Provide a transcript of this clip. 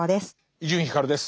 伊集院光です。